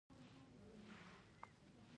د بلخ په شولګره کې د تیلو نښې شته.